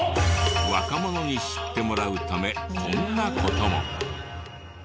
若者に知ってもらうためこんな事も。